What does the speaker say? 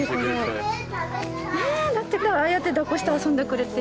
ああやってだっこして遊んでくれて。